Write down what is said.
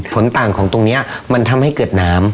ต่างของตรงนี้มันทำให้เกิดน้ำ